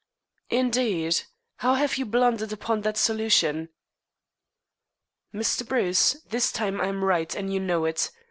"Indeed. How have you blundered upon that solution?" "Mr. Bruce, this time I am right, and you know it.